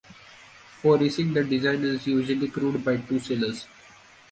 For racing the design is usually crewed by two sailors.